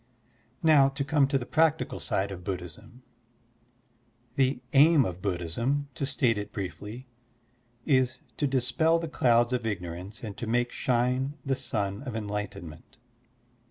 Now to come to the practical side of Buddhism : The aim of Buddhism, to state it briefly, is to dispel the clouds of ignorance and to make shine the sun of enlightenment.